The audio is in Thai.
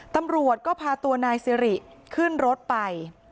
ตำรวจก็พาตัวนายสิริขึ้นรถไป